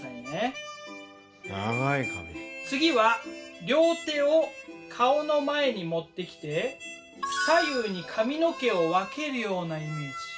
次は両手を顔の前に持ってきて左右に髪の毛を分けるようなイメージ。